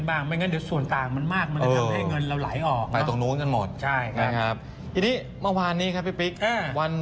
อาจจะต้องขึ้นบ้างไม่งั้นส่วนต่างมันมากมันจะทำให้เงินเราไหลออก